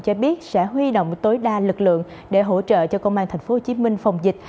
cho biết sẽ huy động tối đa lực lượng để hỗ trợ cho công an tp hcm phòng dịch